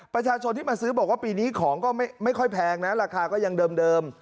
ประชาชนที่มาซื้อบอกว่าปีนี้ของก็ไม่ค่อยแพงนะราคาก็ยังเดิม